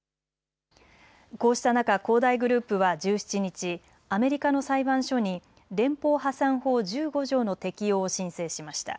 こうした中、恒大グループは１７日、アメリカの裁判所に連邦破産法１５条の適用を申請しました。